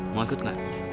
mau ikut gak